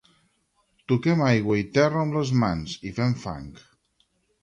—Toquem aigua i terra amb les mans, i fem fang.